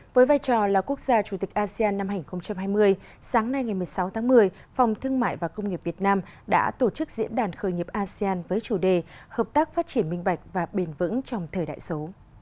với vai trò là quốc gia chủ tịch asean năm hai nghìn hai mươi sáng nay ngày một mươi sáu tháng một mươi phòng thương mại và công nghiệp việt nam đã tổ chức diễn đàn khởi nghiệp asean với chủ đề hợp tác phát triển minh bạch và bền vững trong thời đại số